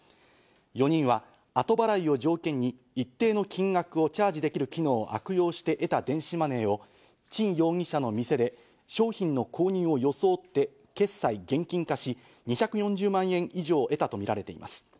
４人は後払いを条件に一定の金額をチャージできる機能を悪用して得た電子マネーをチン容疑者の店で商品の購入を装って決済現金化し、２４０万円以上を得たとみられています。